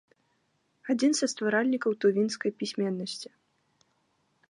Адзін са стваральнікаў тувінскай пісьменнасці.